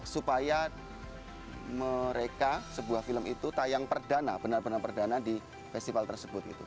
supaya mereka sebuah film itu tayang perdana benar benar perdana di festival tersebut gitu